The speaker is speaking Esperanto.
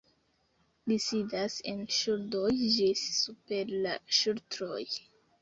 Li sidas en ŝuldoj ĝis super la ŝultroj.